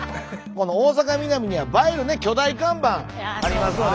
大阪ミナミには映える巨大看板ありますので。